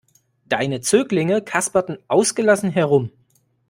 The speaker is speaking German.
Deine Zöglinge kasperten ausgelassen herum.